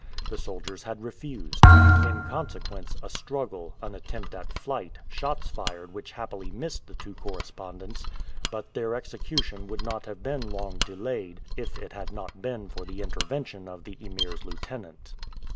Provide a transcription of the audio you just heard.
The soldiers had refused. In consequence, a struggle, an attempt at flight, shots fired which happily missed the two correspondents, but their execution would not have been long delayed, if it had not been for the intervention of the Emir's lieutenant.